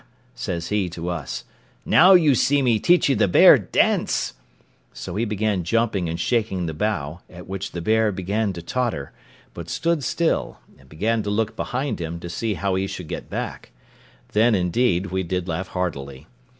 says he to us, "now you see me teachee the bear dance:" so he began jumping and shaking the bough, at which the bear began to totter, but stood still, and began to look behind him, to see how he should get back; then, indeed, we did laugh heartily.